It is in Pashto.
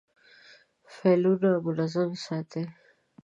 فایلونه منظم ساتئ؟